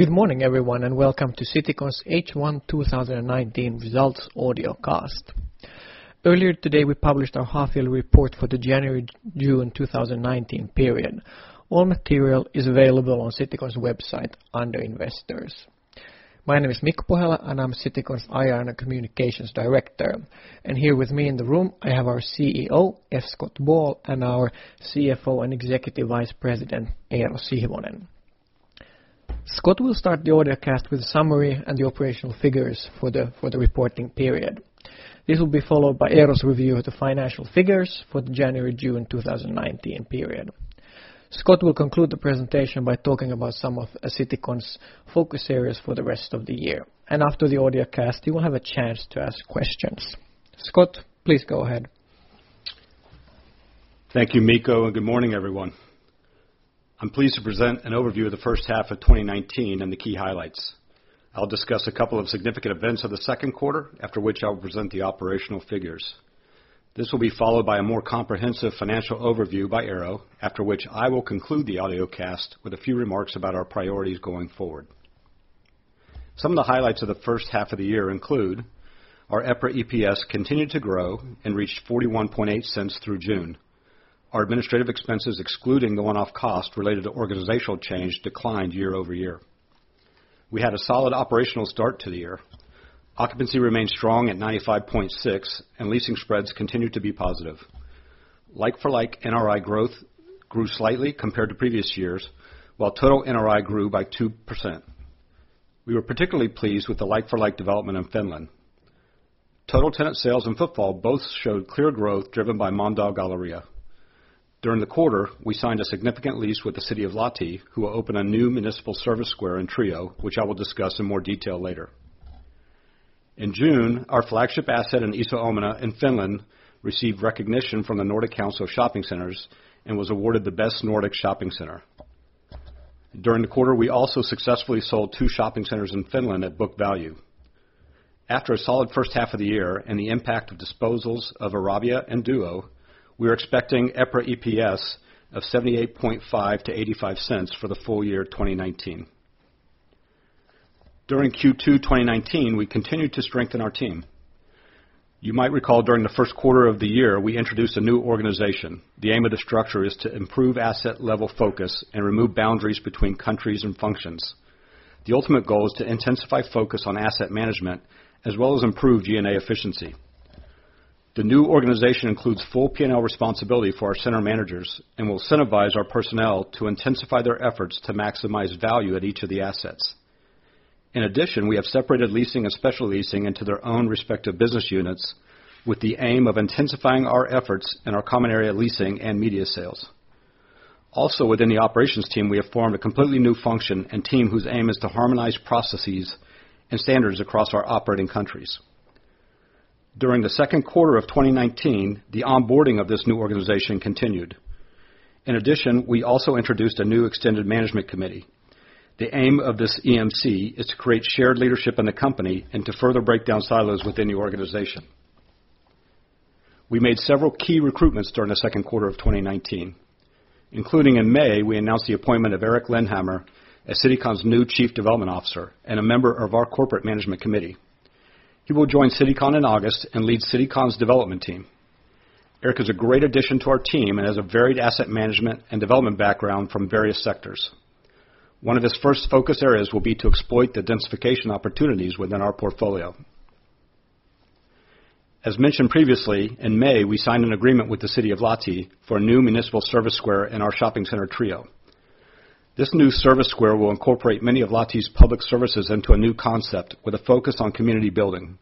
Good morning everyone, welcome to Citycon's H1 2019 results audio cast. Earlier today, we published our half-yearly report for the January, June 2019 period. All material is available on Citycon's website under Investors. My name is Mikko Pohjala, I'm Citycon's IR and Communications Director. Here with me in the room, I have our CEO, F. Scott Ball, our CFO and Executive Vice President, Eero Sihvonen. Scott will start the audio cast with a summary and the operational figures for the reporting period. This will be followed by Eero's review of the financial figures for the January, June 2019 period. Scott will conclude the presentation by talking about some of Citycon's focus areas for the rest of the year. After the audio cast, you will have a chance to ask questions. Scott, please go ahead. Thank you, Mikko, good morning everyone. I'm pleased to present an overview of the first half of 2019 and the key highlights. I'll discuss a couple of significant events of the second quarter, after which I'll present the operational figures. This will be followed by a more comprehensive financial overview by Eero, after which I will conclude the audio cast with a few remarks about our priorities going forward. Some of the highlights of the first half of the year include, our EPRA EPS continued to grow and reached 0.418 through June. Our administrative expenses, excluding the one-off cost related to organizational change, declined year-over-year. We had a solid operational start to the year. Occupancy remained strong at 95.6%, leasing spreads continued to be positive. like-for-like NRI growth grew slightly compared to previous years, while total NRI grew by 2%. We were particularly pleased with the like-for-like development in Finland. Total tenant sales and footfall both showed clear growth driven by Mölndal Galleria. During the quarter, we signed a significant lease with the City of Lahti, who will open a new municipal service square in Trio, which I will discuss in more detail later. In June, our flagship asset in Iso Omena in Finland received recognition from the Nordic Council of Shopping Centers and was awarded the best Nordic shopping center. During the quarter, we also successfully sold 2 shopping centers in Finland at book value. After a solid first half of the year and the impact of disposals of Arabia and Duo, we are expecting EPRA EPS of 0.785 to 0.85 for the full year 2019. During Q2 2019, we continued to strengthen our team. You might recall during the first quarter of the year, we introduced a new organization. The aim of the structure is to improve asset-level focus and remove boundaries between countries and functions. The ultimate goal is to intensify focus on asset management, as well as improve G&A efficiency. The new organization includes full P&L responsibility for our center managers and will incentivize our personnel to intensify their efforts to maximize value at each of the assets. In addition, we have separated leasing and special leasing into their own respective business units with the aim of intensifying our efforts in our common area leasing and media sales. Also within the operations team, we have formed a completely new function and team whose aim is to harmonize processes and standards across our operating countries. During the second quarter of 2019, the onboarding of this new organization continued. In addition, we also introduced a new extended management committee. The aim of this EMC is to create shared leadership in the company and to further break down silos within the organization. We made several key recruitments during the second quarter of 2019, including in May, we announced the appointment of Erik Lennhammar as Citycon's new Chief Development Officer and a member of our corporate management committee. He will join Citycon in August and lead Citycon's development team. Erik is a great addition to our team and has a varied asset management and development background from various sectors. One of his first focus areas will be to exploit the densification opportunities within our portfolio. As mentioned previously, in May, we signed an agreement with the City of Lahti for a new municipal service square in our shopping center Trio. This new service square will incorporate many of Lahti's public services into a new concept with a focus on community building.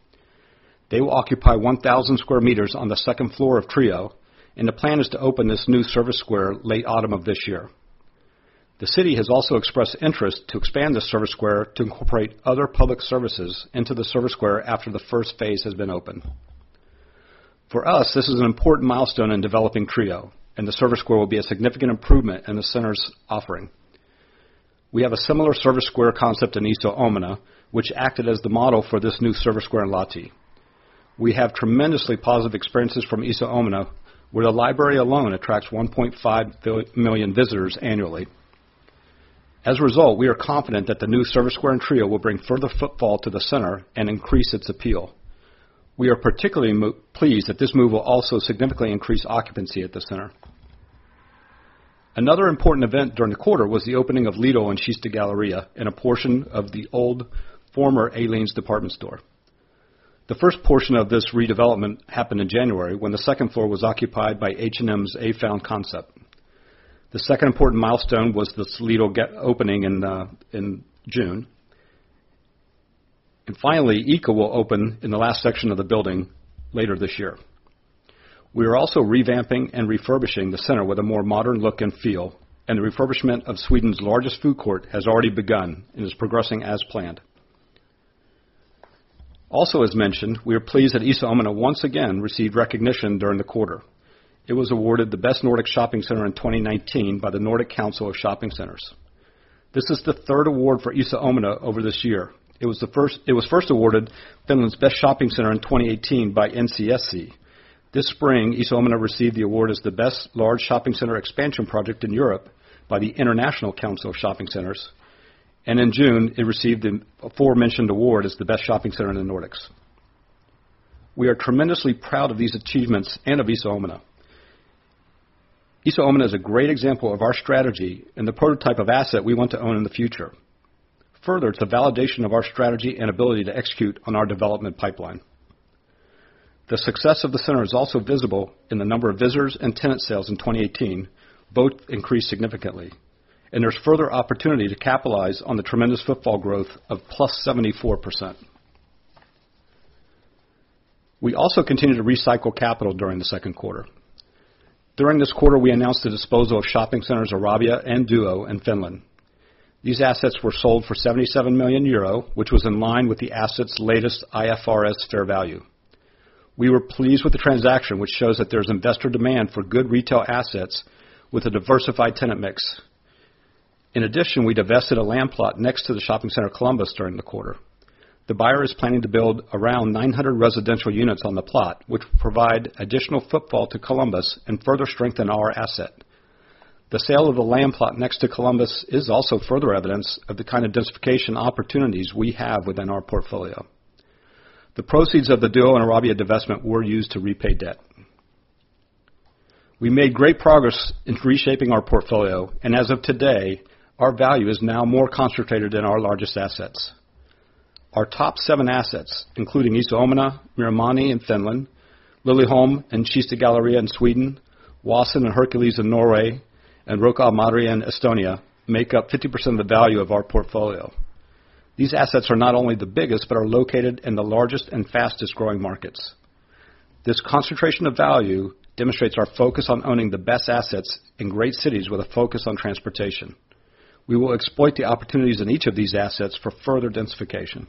They will occupy 1,000 square meters on the second floor of Trio, and the plan is to open this new service square late autumn of this year. The city has also expressed interest to expand the service square to incorporate other public services into the service square after the first phase has been opened. For us, this is an important milestone in developing Trio, and the service square will be a significant improvement in the center's offering. We have a similar service square concept in Iso Omena, which acted as the model for this new service square in Lahti. We have tremendously positive experiences from Iso Omena, where the library alone attracts 1.5 million visitors annually. As a result, we are confident that the new service square in Trio will bring further footfall to the center and increase its appeal. We are particularly pleased that this move will also significantly increase occupancy at the center. Another important event during the quarter was the opening of Lidl on Kista Galleria in a portion of the old former Åhléns department store. The first portion of this redevelopment happened in January when the second floor was occupied by H&M's Afound concept. The second important milestone was this Lidl opening in June. Finally, ICA will open in the last section of the building later this year. We are also revamping and refurbishing the center with a more modern look and feel, and the refurbishment of Sweden's largest food court has already begun and is progressing as planned. As mentioned, we are pleased that Iso Omena once again received recognition during the quarter. It was awarded the best Nordic shopping center in 2019 by the Nordic Council of Shopping Centers. This is the third award for Iso Omena over this year. It was first awarded Finland's best shopping center in 2018 by NCSC. This spring, Iso Omena received the award as the best large shopping center expansion project in Europe by the International Council of Shopping Centers. In June, it received a aforementioned award as the best shopping center in the Nordics. We are tremendously proud of these achievements and of Iso Omena. Iso Omena is a great example of our strategy and the prototype of asset we want to own in the future. Further to validation of our strategy and ability to execute on our development pipeline. The success of the center is also visible in the number of visitors and tenant sales in 2018, both increased significantly, and there is further opportunity to capitalize on the tremendous footfall growth of +74%. We also continue to recycle capital during the second quarter. During this quarter, we announced the disposal of shopping centers, Arabia and Duo in Finland. These assets were sold for 77 million euro, which was in line with the asset's latest IFRS fair value. We were pleased with the transaction, which shows that there is investor demand for good retail assets with a diversified tenant mix. In addition, we divested a land plot next to the shopping center Columbus during the quarter. The buyer is planning to build around 900 residential units on the plot, which will provide additional footfall to Columbus and further strengthen our asset. The sale of the land plot next to Columbus is also further evidence of the kind of densification opportunities we have within our portfolio. The proceeds of the Duo and Arabia divestment were used to repay debt. We made great progress in reshaping our portfolio, and as of today, our value is now more concentrated in our largest assets. Our top seven assets, including Iso Omena, Myyrmanni in Finland, Liljeholmen and Kista Galleria in Sweden, Oasen and Herkules in Norway, and Rocca al Mare in Estonia, make up 50% of the value of our portfolio. These assets are not only the biggest, but are located in the largest and fastest-growing markets. This concentration of value demonstrates our focus on owning the best assets in great cities with a focus on transportation. We will exploit the opportunities in each of these assets for further densification.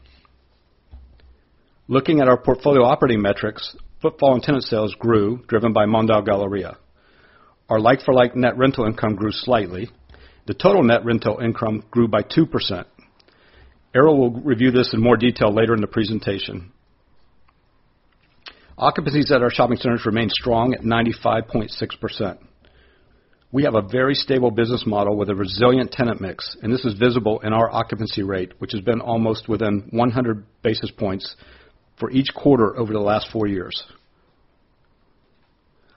Looking at our portfolio operating metrics, footfall and tenant sales grew, driven by Mölndal Galleria. Our like-for-like net rental income grew slightly. The total net rental income grew by 2%. Eero will review this in more detail later in the presentation. Occupancies at our shopping centers remain strong at 95.6%. We have a very stable business model with a resilient tenant mix, and this is visible in our occupancy rate, which has been almost within 100 basis points for each quarter over the last four years.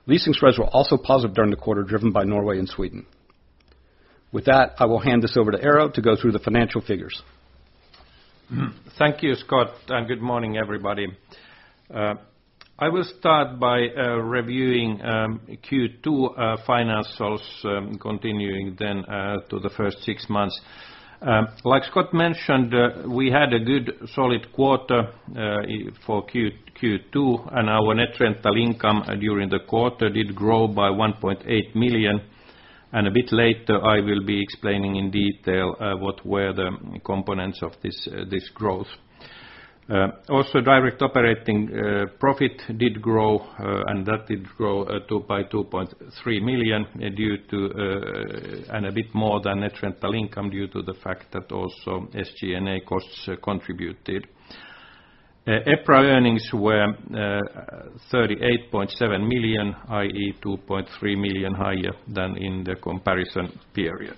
Leasing spreads were also positive during the quarter, driven by Norway and Sweden. With that, I will hand this over to Eero to go through the financial figures. Thank you, Scott, and good morning, everybody. I will start by reviewing Q2 financials, continuing then to the first six months. Like Scott mentioned, we had a good solid quarter for Q2, and our net rental income during the quarter did grow by 1.8 million. A bit later, I will be explaining in detail what were the components of this growth. Also, direct operating profit did grow, and that did grow by 2.3 million and a bit more than net rental income due to the fact that also SG&A costs contributed. EPRA earnings were 38.7 million, i.e., 2.3 million higher than in the comparison period.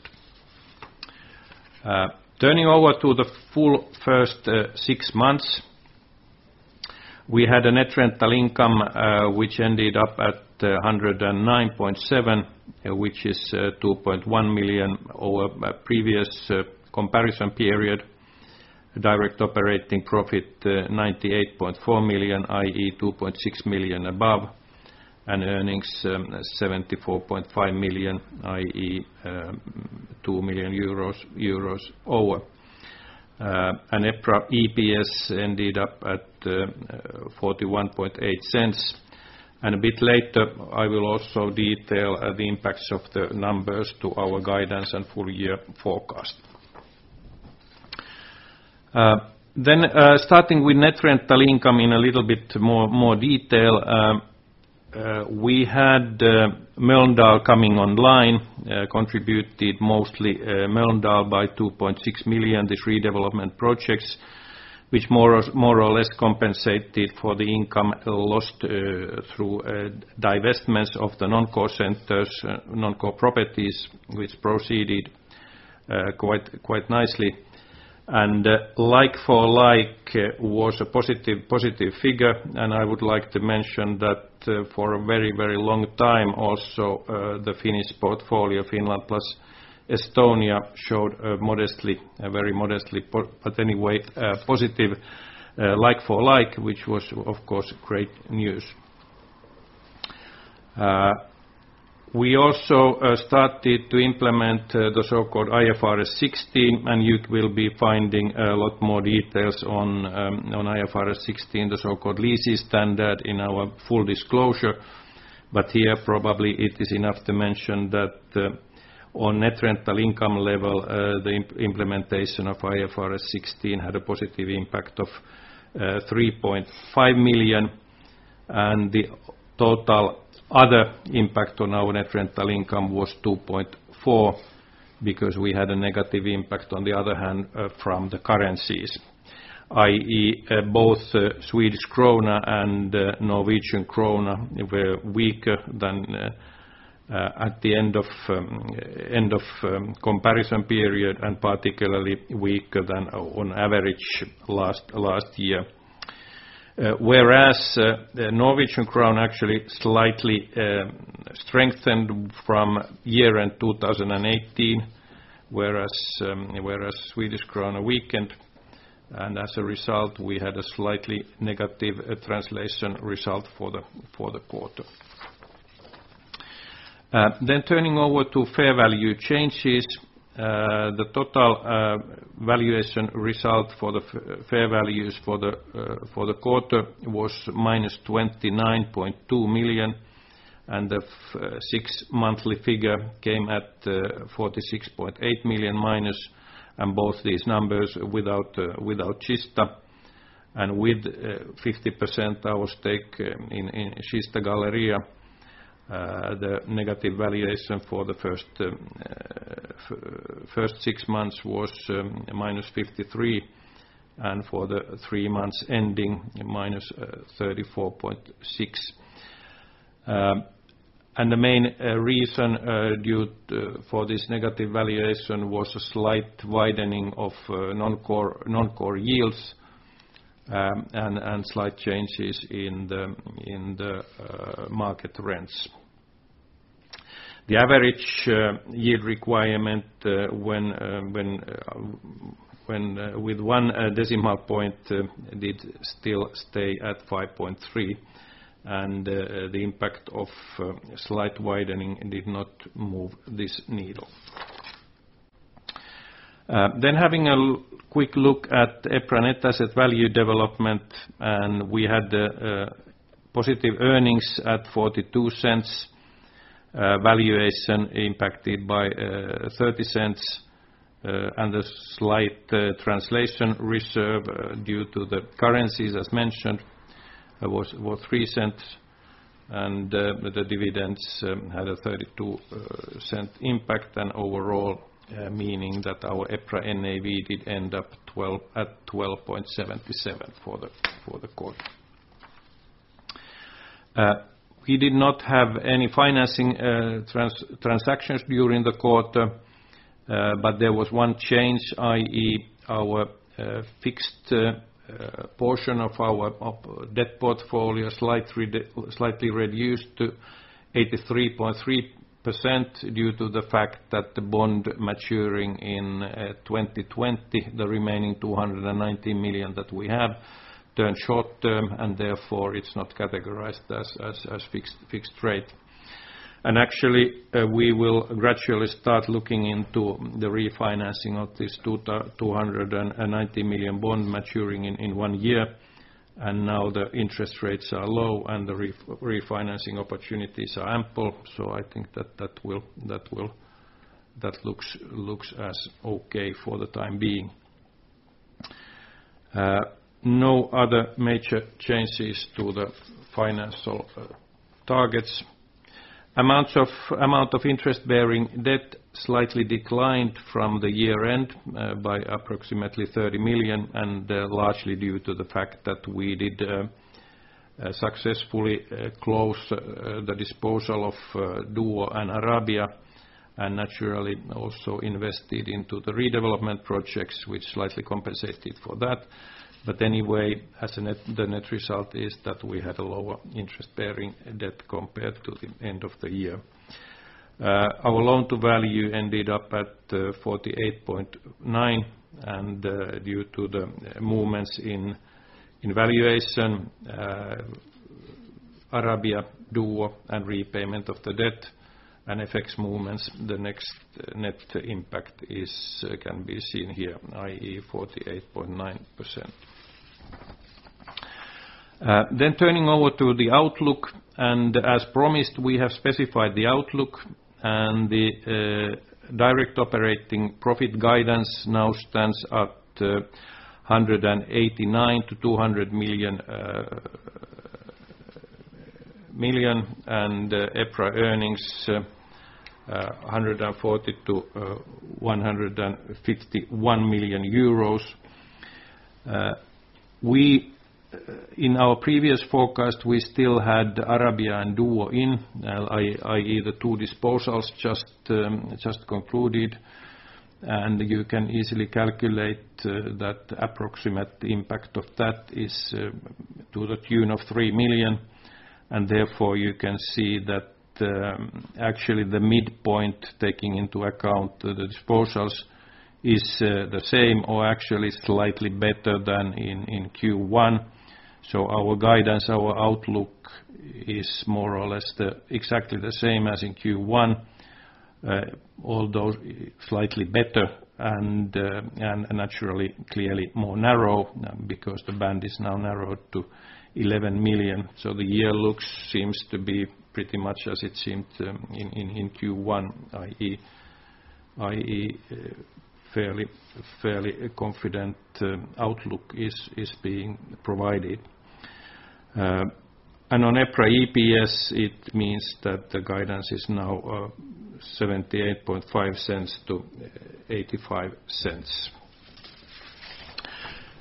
Turning over to the full first six months, we had a net rental income, which ended up at 109.7 million, which is 2.1 million over previous comparison period. Direct operating profit, 98.4 million, i.e., 2.6 million above, and earnings, 74.5 million, i.e., 2 million euros over. EPRA EPS ended up at 0.418. A bit later, I will also detail the impacts of the numbers to our guidance and full year forecast. Starting with net rental income in a little bit more detail. We had Mölndal coming online, contributed mostly Mölndal by 2.6 million, the three development projects, which more or less compensated for the income lost through divestments of the non-core centers, non-core properties, which proceeded quite nicely. Like-for-like was a positive figure. I would like to mention that for a very long time also, the Finnish portfolio, Finland plus Estonia showed very modestly, but anyway, positive like-for-like, which was, of course, great news. We also started to implement the so-called IFRS 16. You will be finding a lot more details on IFRS 16, the so-called leasing standard, in our full disclosure. Here, probably it is enough to mention that on net rental income level, the implementation of IFRS 16 had a positive impact of 3.5 million, and the total other impact on our net rental income was 2.4 because we had a negative impact on the other hand from the currencies, i.e., both SEK and NOK were weaker than at the end of comparison period, and particularly weaker than on average last year. Whereas the NOK actually slightly strengthened from year-end 2018, whereas SEK weakened. As a result, we had a slightly negative translation result for the quarter. Turning over to fair value changes. The total valuation result for the fair values for the quarter was -29.2 million. The six-monthly figure came at -46.8 million, both these numbers without Kista. With 50% our stake in Kista Galleria, the negative valuation for the first six months was -53 million, and for the three months ending, -34.6 million. The main reason for this negative valuation was a slight widening of non-core yields, slight changes in the market rents. The average yield requirement with one decimal point did still stay at 5.3%. The impact of slight widening did not move this needle. Having a quick look at EPRA net asset value development, we had positive earnings at 0.42, valuation impacted by 0.30, a slight translation reserve due to the currencies, as mentioned, was 0.03, and the dividends had a 0.32 impact. Overall, meaning that our EPRA NAV did end up at 12.77 for the quarter. We did not have any financing transactions during the quarter, but there was one change, i.e., our fixed portion of our debt portfolio slightly reduced to 83.3% due to the fact that the bond maturing in 2020, the remaining 290 million that we have, turned short-term and therefore it's not categorized as fixed rate. Actually, we will gradually start looking into the refinancing of this 290 million bond maturing in one year. Now the interest rates are low and the refinancing opportunities are ample. I think that looks as okay for the time being. No other major changes to the financial targets. Amount of interest-bearing debt slightly declined from the year-end by approximately 30 million, largely due to the fact that we did successfully close the disposal of Duo and Arabia, and naturally also invested into the redevelopment projects, which slightly compensated for that. The net result is that we had a lower interest-bearing debt compared to the end of the year. Our Loan-to-Value ended up at 48.9%, and due to the movements in valuation, Arabia, Duo, and repayment of the debt and FX movements, the next net impact can be seen here, i.e., 48.9%. Turning over to the outlook, as promised, we have specified the outlook and the direct operating profit guidance now stands at 189 million-200 million. EPRA earnings, 140 million-151 million euros. In our previous forecast, we still had Arabia and Duo in, i.e., the two disposals just concluded. You can easily calculate that approximate impact of that is to the tune of 3 million. Therefore, you can see that actually the midpoint taking into account the disposals is the same or actually slightly better than in Q1. Our guidance, our outlook is more or less exactly the same as in Q1. Although slightly better and naturally clearly more narrow because the band is now narrowed to 11 million. The year looks seems to be pretty much as it seemed in Q1, i.e., fairly confident outlook is being provided. On EPRA EPS, it means that the guidance is now 0.785-0.85.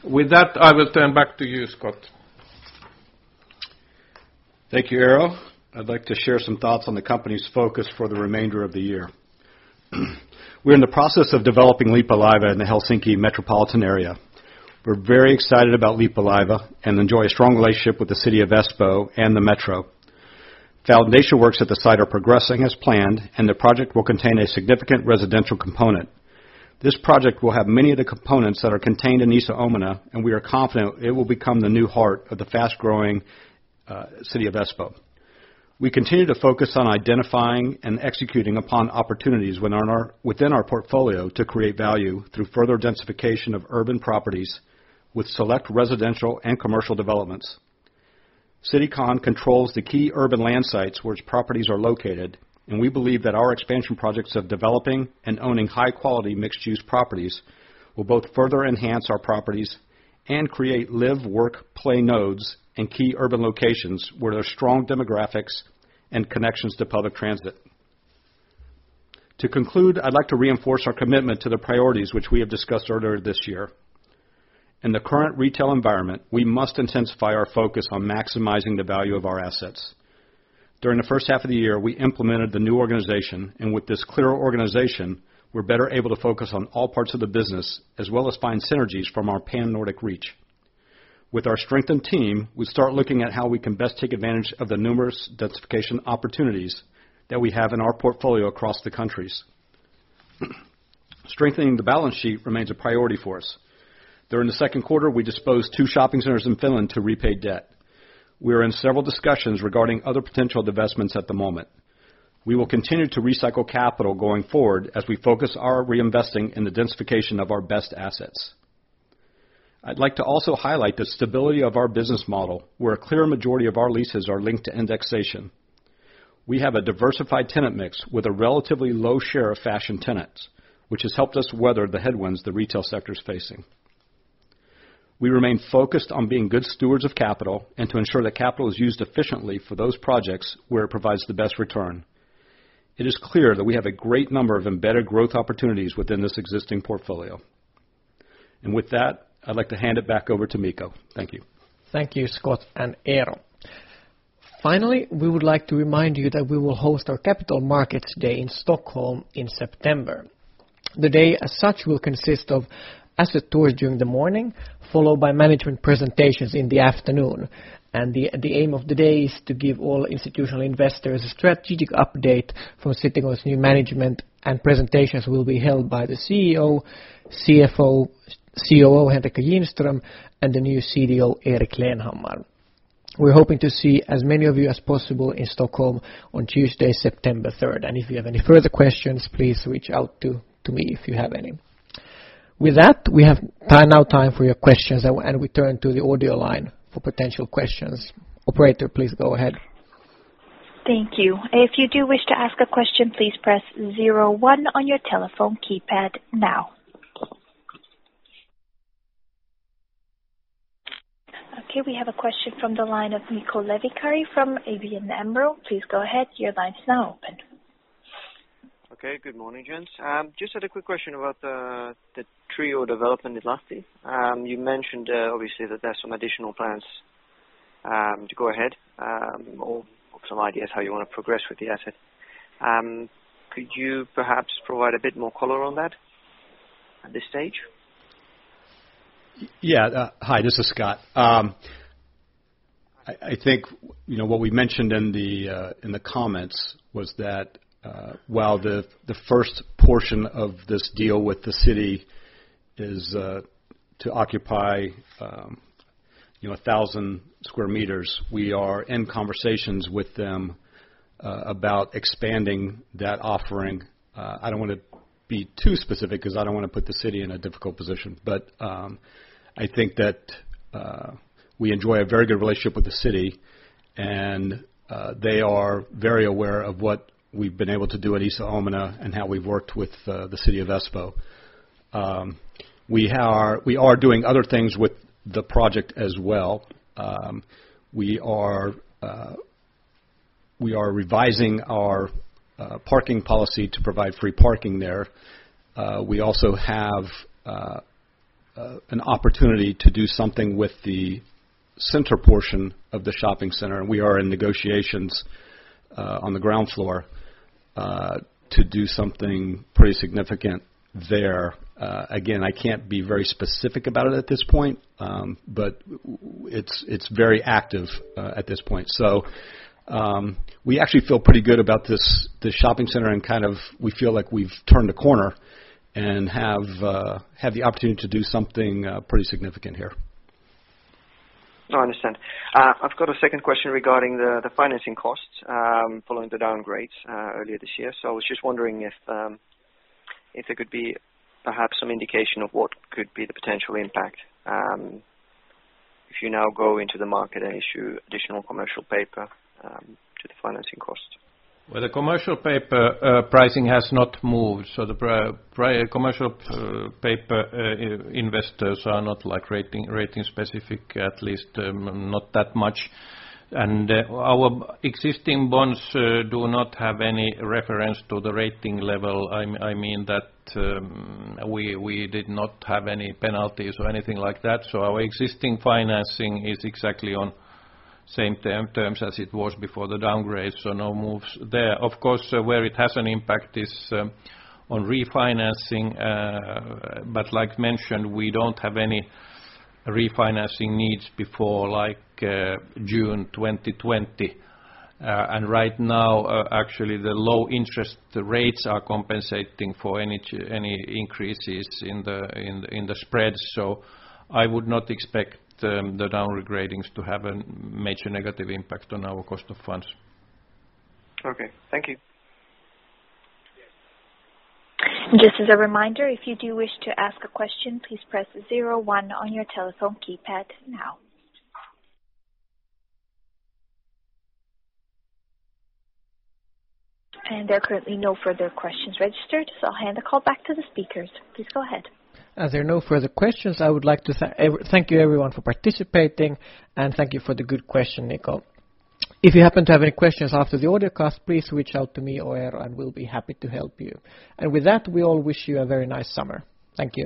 With that, I will turn back to you, Scott. Thank you, Eero. I'd like to share some thoughts on the company's focus for the remainder of the year. We're in the process of developing Leppävaara in the Helsinki metropolitan area. We're very excited about Leppävaara and enjoy a strong relationship with the City of Espoo and the metro. Foundation works at the site are progressing as planned, and the project will contain a significant residential component. This project will have many of the components that are contained in Iso Omena, and we are confident it will become the new heart of the fast-growing City of Espoo. We continue to focus on identifying and executing upon opportunities within our portfolio to create value through further densification of urban properties with select residential and commercial developments. Citycon controls the key urban land sites which properties are located, we believe that our expansion projects of developing and owning high-quality mixed-use properties will both further enhance our properties and create live, work, play nodes in key urban locations where there's strong demographics and connections to public transit. To conclude, I'd like to reinforce our commitment to the priorities which we have discussed earlier this year. In the current retail environment, we must intensify our focus on maximizing the value of our assets. During the first half of the year, we implemented the new organization, with this clear organization, we're better able to focus on all parts of the business as well as find synergies from our pan-Nordic reach. With our strengthened team, we start looking at how we can best take advantage of the numerous densification opportunities that we have in our portfolio across the countries. Strengthening the balance sheet remains a priority for us. During the second quarter, we disposed two shopping centers in Finland to repay debt. We are in several discussions regarding other potential divestments at the moment. We will continue to recycle capital going forward as we focus our reinvesting in the densification of our best assets. I'd like to also highlight the stability of our business model, where a clear majority of our leases are linked to indexation. We have a diversified tenant mix with a relatively low share of fashion tenants, which has helped us weather the headwinds the retail sector is facing. We remain focused on being good stewards of capital and to ensure that capital is used efficiently for those projects where it provides the best return. It is clear that we have a great number of embedded growth opportunities within this existing portfolio. With that, I'd like to hand it back over to Mikko. Thank you. Thank you, Scott and Eero. Finally, we would like to remind you that we will host our capital markets day in Stockholm in September. The day as such will consist of asset tours during the morning, followed by management presentations in the afternoon. The aim of the day is to give all institutional investors a strategic update from Citycon's new management. Presentations will be held by the CEO, CFO, COO, Henrica Ginström, and the new CDO, Erik Lennhammar. We're hoping to see as many of you as possible in Stockholm on Tuesday, September 3rd. If you have any further questions, please reach out to me if you have any. With that, we have now time for your questions, and we turn to the audio line for potential questions. Operator, please go ahead. Thank you. If you do wish to ask a question, please press 01 on your telephone keypad now. Okay, we have a question from the line of Niko Levikari from ABN AMRO. Please go ahead, your line is now open. Okay, good morning, gents. Just had a quick question about the Trio development in Lahti. You mentioned, obviously, that there's some additional plans to go ahead, or some ideas how you want to progress with the asset. Could you perhaps provide a bit more color on that at this stage? Yeah. Hi, this is Scott. I think what we mentioned in the comments was that while the first portion of this deal with the city is to occupy 1,000 square meters, we are in conversations with them about expanding that offering. I don't want to be too specific because I don't want to put the city in a difficult position. I think that we enjoy a very good relationship with the city, and they are very aware of what we've been able to do at Iso Omena and how we've worked with the city of Espoo. We are doing other things with the project as well. We are revising our parking policy to provide free parking there. We also have an opportunity to do something with the center portion of the shopping center, and we are in negotiations on the ground floor to do something pretty significant there. Again, I can't be very specific about it at this point, but it's very active at this point. We actually feel pretty good about this shopping center, and kind of we feel like we've turned a corner and have the opportunity to do something pretty significant here. No, I understand. I've got a second question regarding the financing costs following the downgrades earlier this year. I was just wondering if there could be perhaps some indication of what could be the potential impact if you now go into the market and issue additional commercial paper to the financing cost. Well, the commercial paper pricing has not moved. The commercial paper investors are not rating specific, at least not that much. Our existing bonds do not have any reference to the rating level. I mean that we did not have any penalties or anything like that. Our existing financing is exactly on same terms as it was before the downgrade, so no moves there. Of course, where it has an impact is on refinancing. Like mentioned, we don't have any refinancing needs before June 2020. Right now, actually, the low interest rates are compensating for any increases in the spread. I would not expect the downgradings to have a major negative impact on our cost of funds. Okay. Thank you. Just as a reminder, if you do wish to ask a question, please press zero one on your telephone keypad now. There are currently no further questions registered, I'll hand the call back to the speakers. Please go ahead. As there are no further questions, I would like to thank you, everyone, for participating, and thank you for the good question, Niko. If you happen to have any questions after the audio cast, please reach out to me or Eero, we'll be happy to help you. With that, we all wish you a very nice summer. Thank you